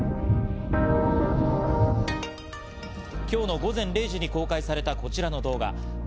今日の午前０時に公開されたこの動画。